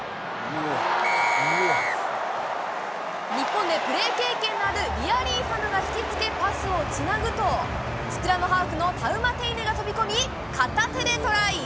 日本でプレー経験のあるリアリーファノが引き付け、パスをつなぐと、スクラムハーフのが飛び込み、片手でトライ。